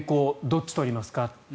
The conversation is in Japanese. どっち取りますか？